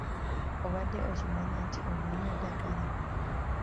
Obadde okimanyi nti omunnyo ddagala?